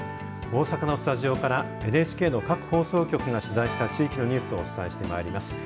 大阪のスタジオからＮＨＫの各放送局が取材した地域のニュースをお伝えしてまいります。